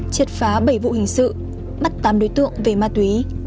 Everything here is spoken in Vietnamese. triệt phá bảy vụ hình sự bắt tám đối tượng về ma túy